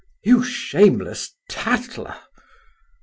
"You shameless tattler!"